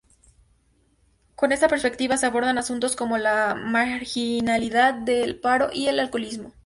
Con esa perspectiva se abordan asuntos como la marginalidad, el paro y el alcoholismo.